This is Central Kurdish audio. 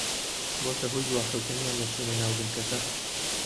بۆتە هۆی دواکەوتنیان لە چوونە ناو بنکەکە